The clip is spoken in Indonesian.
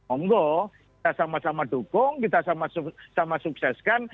omgoh kita sama sama dukung kita sama sukseskan